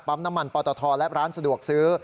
น้ำมันปอตทและร้านสะดวกซื้อ